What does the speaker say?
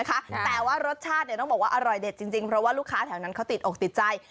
แต่ว่ารสชาติต้องบอกว่าอร่อยเด็ดจริงเพราะว่าลูกค้าแถวนั้นเขาติดอกติดใจ